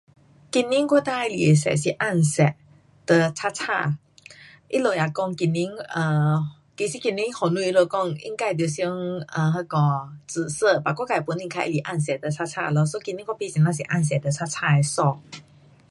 今年我最喜欢的色是红色跟青色。他们也讲今年啊，其实今年风水他们讲应该得穿 um 那个紫色，but 我自本身较喜欢红色跟青青咯。so 今年我买很呀多红色跟青青的衣。